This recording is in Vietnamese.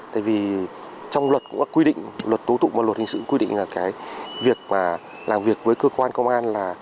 tại vì trong luật cũng là quy định luật tố tụng và luật hình sự quy định là cái việc mà làm việc với cơ quan công an là